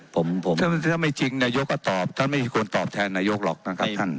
ผมผมถ้าไม่จริงนายกก็ตอบท่านไม่ควรตอบแทนนายกหรอกนะครับท่าน